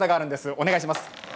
お願いします。